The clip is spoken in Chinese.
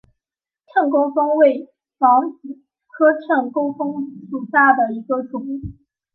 秤钩风为防己科秤钩风属下的一个种。